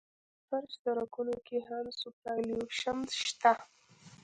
په جغل فرش سرکونو کې هم سوپرایلیویشن شته